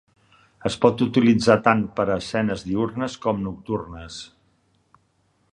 Es pot utilitzar tant per a escenes diürnes com nocturnes.